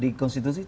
di konstitusi tidak